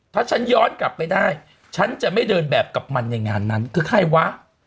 ถ้าฉันย้อนกลับไปได้ฉันจะไม่เดินแบบกับมันในงานนั้นคือใครวะ